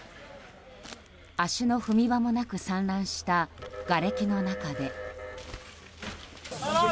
足の踏み場もなく散乱したがれきの中で。